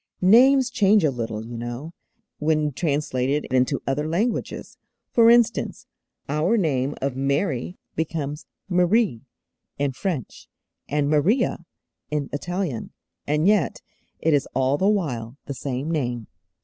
Names change a little, you know, when translated into other languages. For instance, our name of Mary becomes 'Marie' in French, and 'Maria' in Italian, and yet it is all the while the same name.